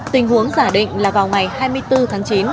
tình huống giả định là vào ngày hai mươi bốn tháng chín